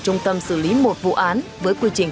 trung tâm xử lý một vụ án với quy trình